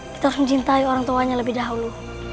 kita harus mencintai orang tuanya lebih dahulu